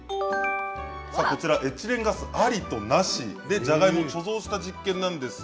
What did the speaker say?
エチレンガスありとなしじゃがいもを貯蔵した実験です。